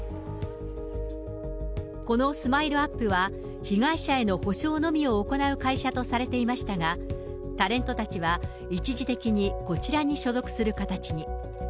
このＳＭＩＬＥーＵＰ．は、被害者への補償のみを行う会社とされていましたが、タレントたちは一時的にこちらに所属する形に。